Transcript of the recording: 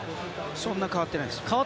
そんなに代わってないですね。